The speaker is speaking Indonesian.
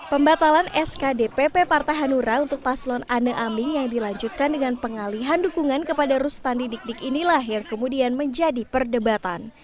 pembatalan skdpp partai hanura untuk paslon ane aming yang dilanjutkan dengan pengalihan dukungan kepada rustandi dik dik inilah yang kemudian menjadi perdebatan